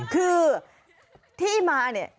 คือที่มาเนี่ย